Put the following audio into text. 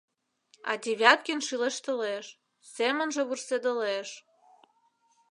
А Девяткин шӱлештылеш, семынже вурседылеш.